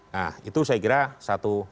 nah itu saya kira satu